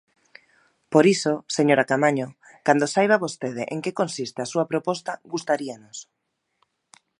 Por iso, señora Caamaño, cando saiba vostede en que consiste a súa proposta, gustaríanos.